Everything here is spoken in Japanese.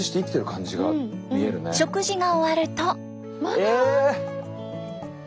食事が終わると。